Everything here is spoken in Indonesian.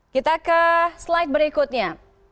kita ke slide berikutnya